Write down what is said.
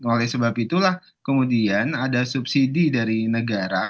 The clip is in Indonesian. oleh sebab itulah kemudian ada subsidi dari negara